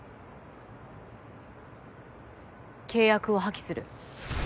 契約を破棄する。